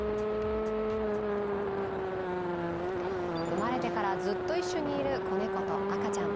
生まれてからずっと一緒にいる子猫と赤ちゃん。